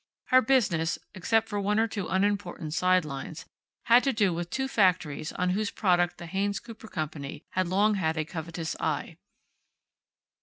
Her business, except for one or two unimportant side lines, had to do with two factories on whose product the Haynes Cooper company had long had a covetous eye.